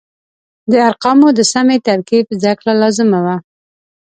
د ارقامو د سمې ترکیب زده کړه لازمه وه.